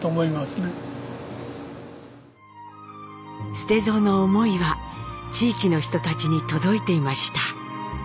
捨蔵の思いは地域の人たちに届いていました。